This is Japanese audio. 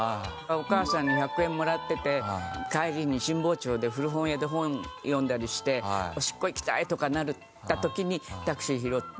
お母さんに１００円もらってて帰りに神保町で古本屋で本読んだりしておしっこ行きたいとかなった時にタクシー拾って。